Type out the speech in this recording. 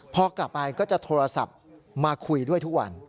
พอกลับไปก็จะโทรศัพท์มาคุยด้วยทุกวัน